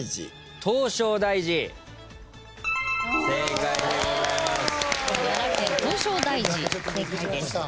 正解です。